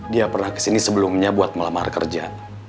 dia pernah kesini sebelumnya buat melamar kerja